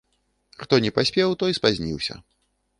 Хто не паспеў, той спазніўся.